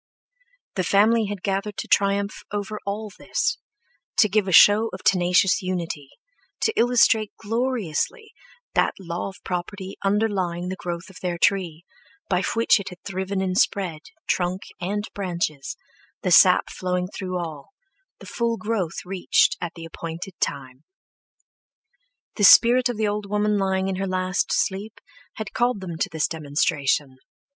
The family had gathered to triumph over all this, to give a show of tenacious unity, to illustrate gloriously that law of property underlying the growth of their tree, by which it had thriven and spread, trunk and branches, the sap flowing through all, the full growth reached at the appointed time. The spirit of the old woman lying in her last sleep had called them to this demonstration.